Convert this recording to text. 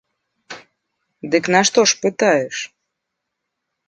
Дык нашто ж пытаеш?